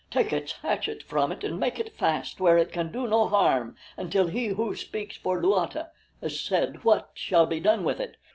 Take its hatchet from it and make it fast where it can do no harm until He Who Speaks for Luata has said what shall be done with it.